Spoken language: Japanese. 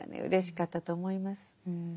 うれしかったと思います。